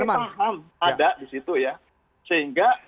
ada di situ ya sehingga